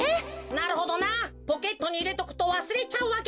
なるほどなポケットにいれとくとわすれちゃうわけか。